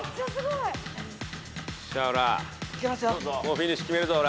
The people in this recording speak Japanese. フィニッシュ決めるぞおら。